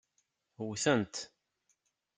Wten-t.